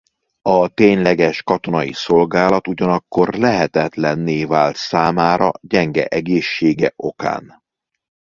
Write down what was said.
A tényleges katonai szolgálat ugyanakkor lehetetlenné vált számára gyenge egészsége okán.